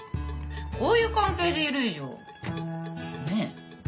こういう関係でいる以上ねえ？